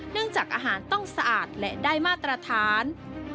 จากอาหารต้องสะอาดและได้มาตรฐาน